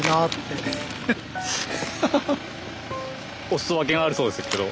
おすそ分けがあるそうですけど。